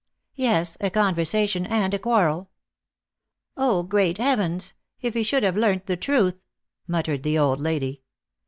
"Yes: a conversation and a quarrel" "Oh, great heavens! if he should have learnt the truth!" muttered the old lady.